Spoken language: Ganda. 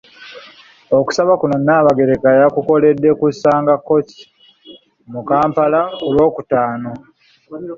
Okusaba kuno Nnaabagereka yakukoledde ku Sanga Courts mu Kampala ku Lwokutaano.